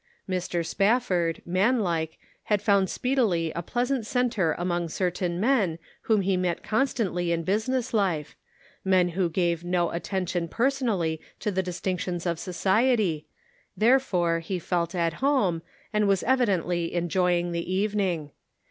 Mr. Spafford, manlike, had found speedily a pleasant centre among certain men whom he met constantly in business life, men who gave no attention personally to the distinctions of society, therefore he felt at home, and was evidently enjoying the evening.